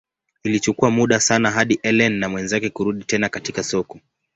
Ilichukua muda sana hadi Ellen na mwenzake kurudi tena katika soko.